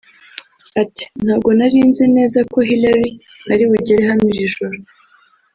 Ati “Ntabwo nari nzi neza ko Hillary ari bugere hano iri joro